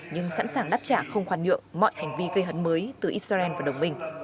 nhưng sẵn sàng đáp trả không khoan nhượng mọi hành vi gây hấn mới từ israel và đồng minh